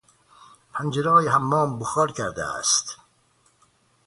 پنجرههای حمام بخار کرده است.